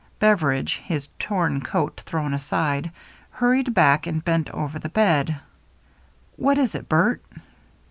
Beveridge, his torn coat thrown aside, hurried back and bent over the bed. "What is it, Bert?"